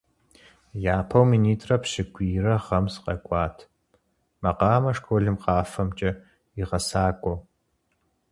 Япэу минитӀрэ пщӀыкӀуирэ гъэм сыкъэкӀуат макъамэ школым къафэмкӀэ и гъэсакӀуэу.